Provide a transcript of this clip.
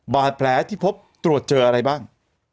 บาดแผลที่พบตรวจเจออะไรบ้าง